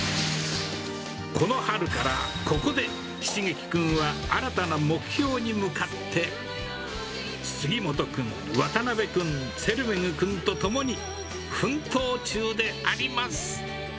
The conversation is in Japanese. この春から、ここでしげき君は新たな目標に向かって、杉本君、渡邉君、ツェルメグ君と共に奮闘中であります。